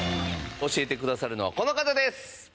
教えてくださるのはこの方です。